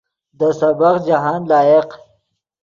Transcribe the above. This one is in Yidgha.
دے سبق جاہند لائق